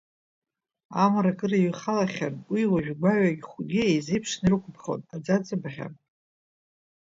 Амра акыр иҩхалахьан, уи уажәы гәаҩагь хәгьы еизеиԥшны ирықәԥхон, аӡаӡа бахьан.